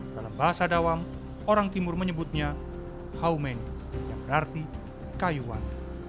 bahasa dawang orang timur menyebutnya haumen yang berarti kayu wan